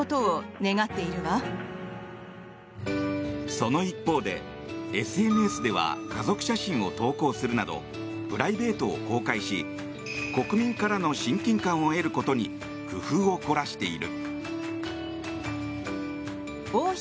その一方で、ＳＮＳでは家族写真を投稿するなどプライベートを公開し国民からの親近感を得ることに工夫を凝らしている。